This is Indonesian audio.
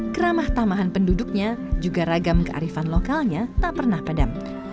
keramah tamahan penduduknya juga ragam kearifan lokalnya tak pernah padam